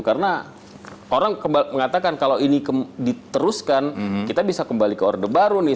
karena orang mengatakan kalau ini diteruskan kita bisa kembali ke order baru nih